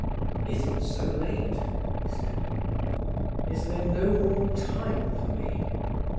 "Is it so late?" he said. "Is there no more time for me?"